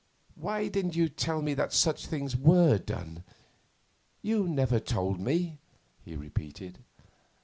'Why didn't you tell me that such things were done? You never told me,' he repeated.